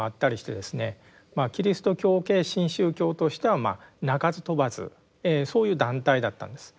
キリスト教系新宗教としては鳴かず飛ばずそういう団体だったんです。